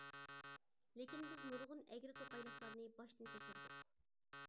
لېكىن بىز نۇرغۇن ئەگرى-توقايلىقلارنى باشتىن كەچۈردۇق.